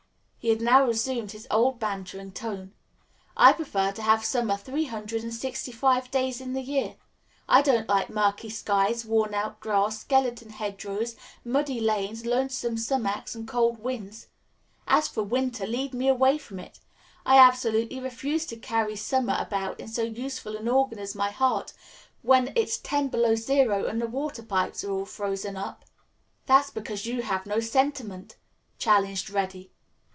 He had now resumed his old, bantering tone. "I prefer to have summer three hundred and sixty five days in the year. I don't like murky skies, worn out grass, skeleton hedge rows, muddy lanes, lonesome sumacs and cold winds. As for winter, lead me away from it. I absolutely refuse to carry summer about in so useful an organ as my heart, when it's ten below zero and the water pipes are all frozen up." "That is because you have no sentiment," challenged Reddy.